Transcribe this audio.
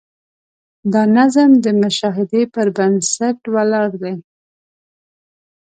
دا نظم د مشاهدې پر بنسټ ولاړ دی.